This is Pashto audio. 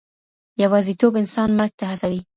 يوازيتوب انسان مرګ ته هڅوي.